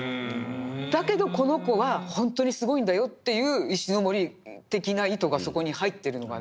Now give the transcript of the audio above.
だけどこの子はほんとにすごいんだよっていう石森的な意図がそこに入ってるのがね。